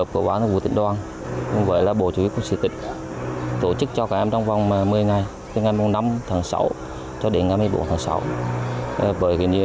chủ yếu quân sự tịch tổ chức cho các em trong vòng một mươi ngày từ ngày năm tháng sáu cho đến ngày một mươi bốn tháng sáu